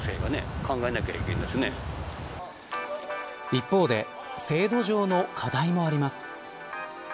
一方で制度上の課題もあります。